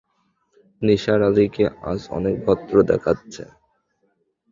নিসার আলিকে আজ অনেক ভদ্র দেখাচ্ছে।